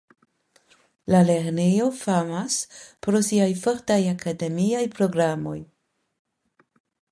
La lernejo famas pro siaj fortaj akademiaj programoj.